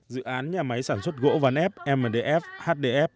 dự án nhà máy sản xuất gỗ ván ép mdf hdf